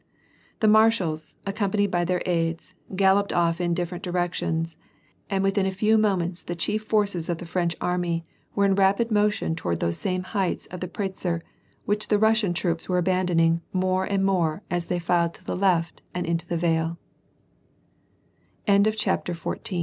The marshals, accompanied by their aides, galloped off in different directions, and within a few minutes the chief forces of the French army were in rapid motion toward those same heights of the Pratzer which the Russian troops were abandoning more and more as they filed to the left and into the vale.